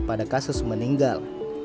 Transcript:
ada kasus meninggal